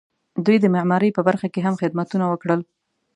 دوی د معمارۍ په برخه کې هم خدمتونه وکړل.